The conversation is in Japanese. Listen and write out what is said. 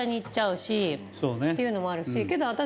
っていうのもあるしけど。